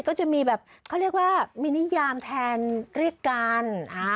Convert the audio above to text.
ก็จะมีแบบเขาเรียกว่ามีนิยามแทนเรียกกัน